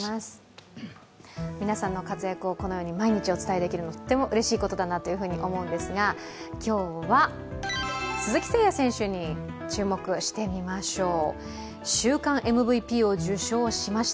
皆さんの活躍をこのように毎日お伝えできるのはとってもうれしいことだなと思うんですが、今日は、鈴木誠也選手に注目してみましょう。